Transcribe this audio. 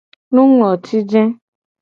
Nungloti je.